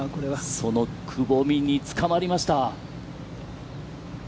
そのくぼみにつかまりました。